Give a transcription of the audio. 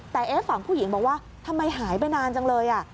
แต่ฝั่งผู้หญิงบอกว่าทำไมหายไปนานจังเลย